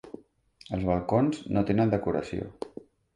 Els balcons no tenen decoració.